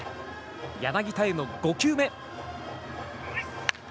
柳田への５球目。